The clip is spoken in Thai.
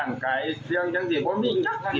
ตัวนายดุษฎีนี่มีเรื่องกับใคร